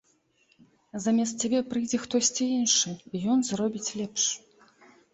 Замест цябе прыйдзе хтосьці іншы, і ён зробіць лепш.